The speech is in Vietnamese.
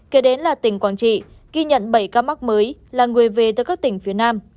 kế đến là tỉnh quảng trị ghi nhận bảy ca mắc mới là người về từ các tỉnh phía nam